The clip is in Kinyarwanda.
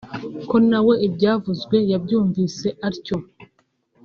ko nawe ibyavuzwe yabyumvise atyo